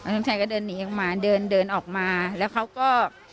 ลูกชายก็เดินหนีออกมาเดินเดินออกมาแล้วเขาก็